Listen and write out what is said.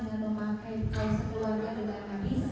silahkan saudara penduduk umum